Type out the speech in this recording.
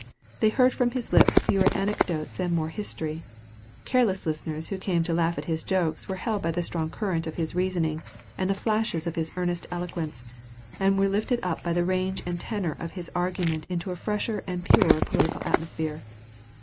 They heard from his lips fewer anecdotes and more history. Careless listeners who came to laugh at his jokes were held by the strong current of his reasoning and the flashes of his earnest eloquence, and were lifted up by the range and tenor of his argument into a fresher and purer political atmosphere.